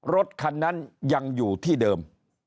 รถคันนั้นยังอยู่ที่เดิม